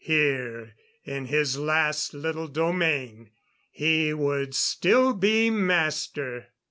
Here, in his last little domain, he would still be master.